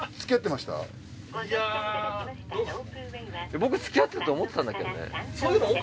僕付き合ってたと思ってたんだけどね。